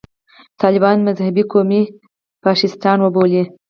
طالبان مذهبي او قومي فاشیستان وبولي.